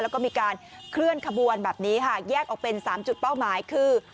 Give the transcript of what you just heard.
แล้วก็มีการเคลื่อนขบวนแบบนี้ค่ะแยกออกเป็น๓จุดเป้าหมายคือ